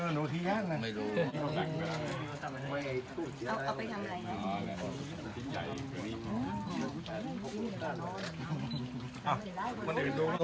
น้ำปลาบึกกับซ่าหมกปลาร่า